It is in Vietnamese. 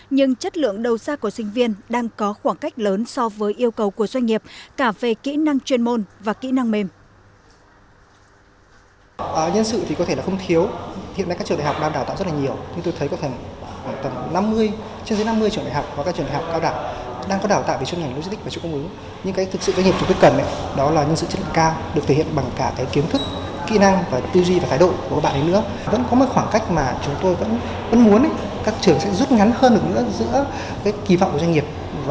nhưng chất lượng đầu ra của sinh viên đang có khoảng cách lớn so với yêu cầu của doanh nghiệp cả về kỹ năng chuyên môn và kỹ năng mềm